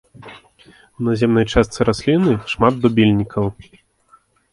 У наземнай частцы расліны шмат дубільнікаў.